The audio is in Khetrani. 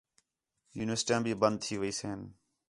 یونیورسٹیاں بھی بند تھی ویئسن